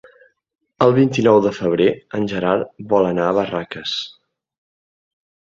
El vint-i-nou de febrer en Gerard vol anar a Barraques.